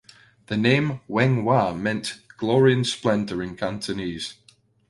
The name "Weng Wah" meant "glory and splendor" in Cantonese.